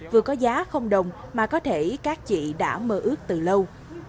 vừa có giá không đồng mà có thể các chị đã mơ ước từ lâu